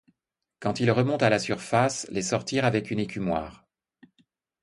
Quand ils remontent à la surface, les sortir avec une écumoire.